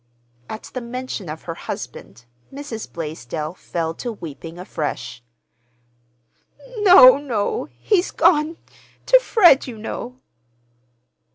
At the mention of her husband, Mrs. Blaisdell fell to weeping afresh. "No, no! He's gone—to Fred, you know."